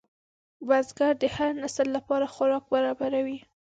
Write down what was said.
بزګر د هر نسل لپاره خوراک برابروي